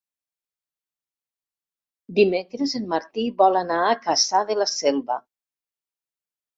Dimecres en Martí vol anar a Cassà de la Selva.